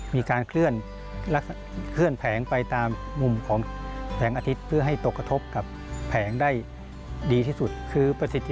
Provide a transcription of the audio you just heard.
มีการเคลื่อนแผงไปตามมุมของแสงอาทิตย์